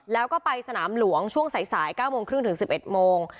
แล้วก็ไปสนามหลวงช่วงสาย๙โมงครึ่งถึง๑๑โมง